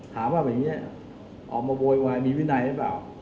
ถามว่าแบบนี้ออกมาโวยวายมีวินัยหรือเปล่า